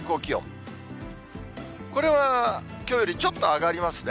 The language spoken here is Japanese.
これはきょうよりちょっと上がりますね。